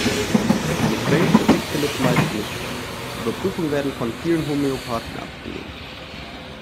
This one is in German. Eine Quellenkritik findet meist nicht statt, Überprüfungen werden von vielen Homöopathen abgelehnt.